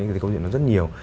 cái câu chuyện đó rất nhiều